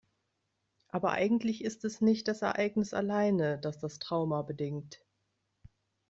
Aber eigentlich ist es nicht das Ereignis alleine, das das Trauma bedingt.